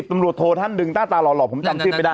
มี๑๐ตำรวจโทรท่านดึงต้าตาหล่อหล่อผมจำขึ้นไปได้